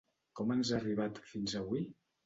Com ens ha arribat fins avui?